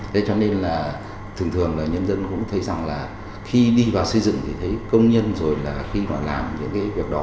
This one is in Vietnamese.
thế cho nên là thường thường là nhân dân cũng thấy rằng là khi đi vào xây dựng thì thấy công nhân rồi là khi họ làm những cái việc đó